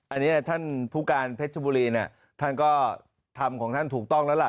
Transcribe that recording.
อันนี้ท่านผู้การเพชรบุรีท่านก็ทำของท่านถูกต้องแล้วล่ะ